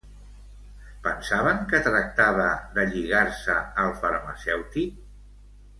Pensaven que tractava de lligar-se al farmacèutic?